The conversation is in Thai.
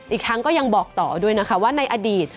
อีกทั้งก็ยังบอกต่อด้วยนะคะว่าในอดีต